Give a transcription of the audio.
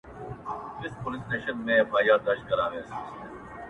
• نن به یې لوی ښاخونه,